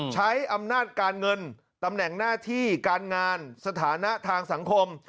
ใช้อำนาจการเงินตำแหน่งหน้าที่การงานสถานะทางสังคม